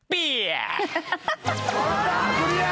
クリア。